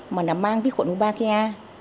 mà nó mang vi khuẩn wombakia